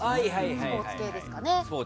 スポーツ系ですかね。